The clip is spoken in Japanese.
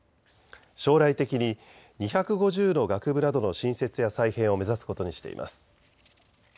将来的に２５０の学部などの新設や再編を目指すことにしています。